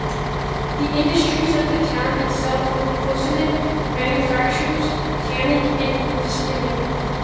The industries of the town itself are porcelain manufactures, tanning and distilling.